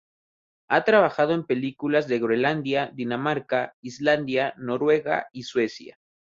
Ha trabajado en películas de Groenlandia, Dinamarca, Islandia, Noruega y Suecia.